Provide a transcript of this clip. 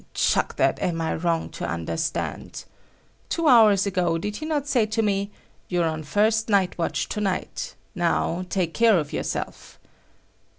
Chuck that "Am I wrong to understand"! Two hours ago, did he not say to me "You're on first night watch to night. Now, take care of yourself?"